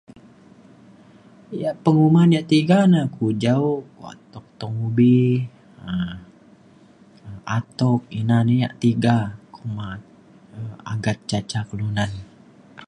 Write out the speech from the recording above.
yak penguman yak tiga na kujau kuak tuk tung ubi um atuk ina na yak tiga kuma um agat ca ca kelunan.